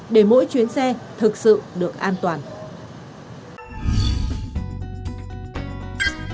để mỗi chuyến xe thực sự được dịch